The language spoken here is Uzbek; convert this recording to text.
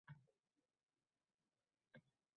Qayoqdan bilasan